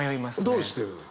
どうしてるのよ？